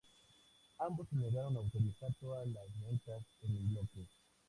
Ambos se negaron a autorizar todas las ventas en bloque.